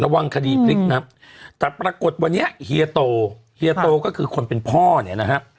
ระวังคดีพลิกนะแต่ปรากฏวันนี้เฮียโตเฮียโตก็คือคนเป็นพ่อเนี่ยนะฮะ